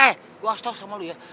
eh gue kasih tau sama lu ya